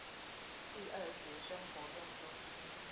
第二學生活動中心